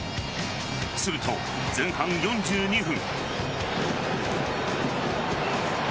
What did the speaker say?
すると、前半４２分。